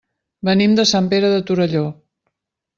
Venim de Sant Pere de Torelló.